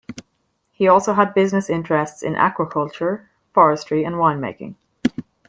He also had business interests in aquaculture, forestry, and wine making.